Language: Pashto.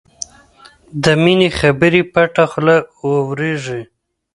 د مینې خبرې پټه خوله اورېږي